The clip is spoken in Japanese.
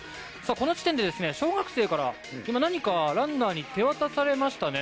この地点で小学生から今、何かランナーに手渡されましたね。